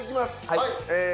はい。